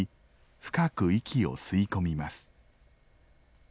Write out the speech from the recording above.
深く息を吸い込みます。